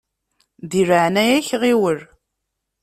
Di leɛya-k ɣiwel!